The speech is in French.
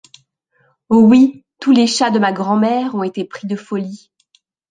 Oh oui : tous les chats de ma grand-mère ont été pris de folie.